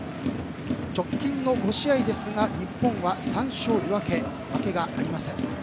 直近の５試合ですが日本は３勝２分け負けがありません。